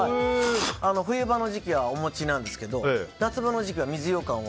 冬場の時期はお餅なんですけど夏場の時期は水ようかんを。